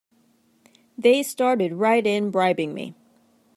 They started right in bribing me!